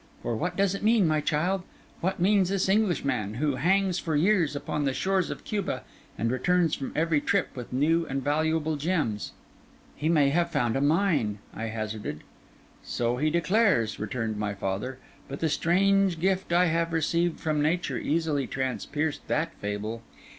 For what does it mean, my child—what means this Englishman, who hangs for years upon the shores of Cuba, and returns from every trip with new and valuable gems?' 'He may have found a mine,' I hazarded. 'So he declares,' returned my father; 'but the strange gift I have received from nature, easily transpierced the fable.